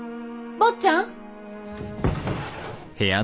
坊ちゃん！